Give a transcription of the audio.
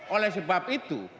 oleh sebab itu